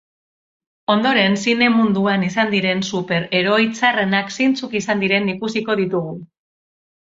Ondoren, zine munduan izan diren super-heroi txarrenak zeintzuk izan diren ikusiko ditugu.